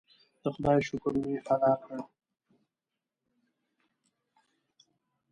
د خدای شکر مې ادا کړ.